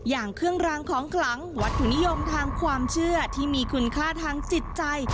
อย่างเครื่องรางของขลังวัตถุนิยมทางความเชื่อที่มีคุณค่าทางจิตใจ